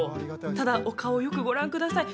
ただお顔をよくご覧ください